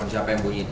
siapa yang bunyi itu